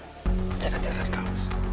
saya akan carikan kamu